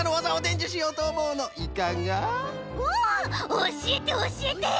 おしえておしえて！